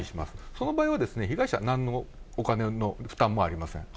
その場合は、被害者はなんのお金の負担もありません。